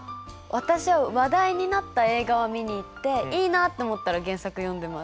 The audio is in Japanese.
私は話題になった映画はみに行っていいなと思ったら原作読んでます。